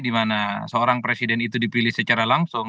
dimana seorang presiden itu dipilih secara langsung